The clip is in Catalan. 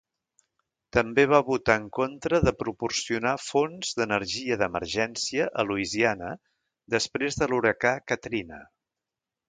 També va votar en contra de proporcionar fons d'energia d'emergència a Louisiana després de l'huracà Katrina.